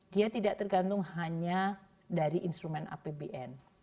dia tidak tergantung hanya dari instrumen apbn